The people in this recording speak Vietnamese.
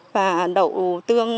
và đậu tương